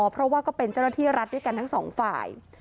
เพราะว่าก็เป็นเจ้าหน้าที่รัฐด้วยกันทั้งสองฝ่าย